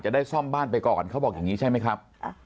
ได้ซ่อมบ้านไปก่อนเขาบอกอย่างนี้ใช่ไหมครับ